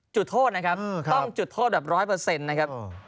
จุดโทษนะครับต้องจุดโทษแบบร้อยเปอร์เซ็นต์นะครับ